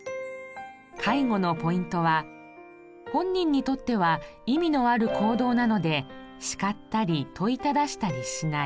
介護のポイントは本人にとっては意味のある行動なので叱ったり問いただしたりしない。